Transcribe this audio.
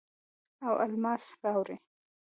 او الماس راوړي